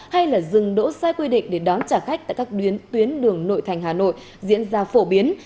hay là dừng đỗ sai quy định để đón trả khách tại các tuyến đường nội thành hà nội diễn ra phổ biến